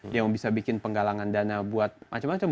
yang bisa bikin penggalangan dana buat macam macam